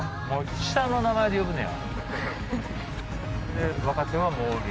下の名前で呼ぶねや。